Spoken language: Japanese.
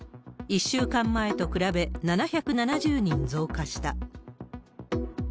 １週間前と比べ、７７０人増加した。